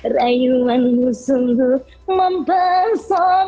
rayuanmu sungguh mempesong